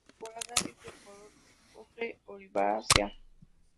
Su esporada es de color ocre olivácea.